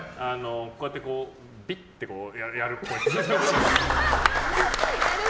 こうやってビッ！ってやるっぽい。